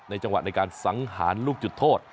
จังหวะในการสังหารลูกจุดโทษ